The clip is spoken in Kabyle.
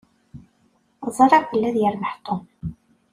Ẓṛiɣ belli ad yerbeḥ Tom.